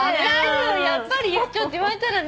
やっぱりちょっと言われたらね。